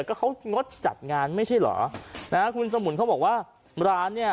ก็เขางดจัดงานไม่ใช่เหรอนะฮะคุณสมุนเขาบอกว่าร้านเนี่ย